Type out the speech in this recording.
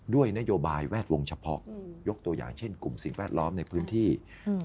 ด้วยนโยบายแวดวงเฉพาะอืมยกตัวอย่างเช่นกลุ่มสิ่งแวดล้อมในพื้นที่อืม